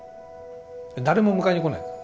誰も迎えに来ないの。